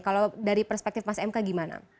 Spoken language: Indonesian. kalau dari perspektif mas mk gimana